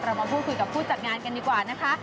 มาพูดคุยกับผู้จัดงานกันดีกว่านะคะ